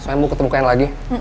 soalnya mau ketemu kalian lagi